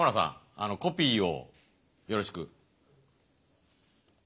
あのコピーをよろしく。